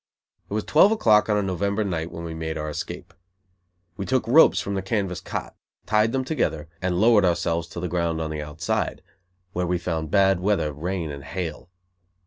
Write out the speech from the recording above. It was twelve o'clock on a November night when we made our escape. We took ropes from the canvas cot, tied them together, and lowered ourselves to the ground on the outside, where we found bad weather, rain and hail.